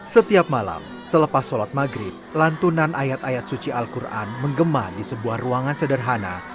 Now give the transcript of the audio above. setiap malam selepas sholat maghrib lantunan ayat ayat suci al quran menggema di sebuah ruangan sederhana